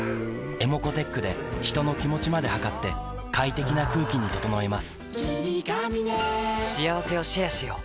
ｅｍｏｃｏーｔｅｃｈで人の気持ちまで測って快適な空気に整えます